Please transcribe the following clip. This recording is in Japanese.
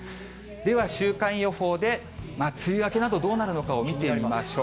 では週間予報で梅雨明けなどどうなるのか、見てみましょう。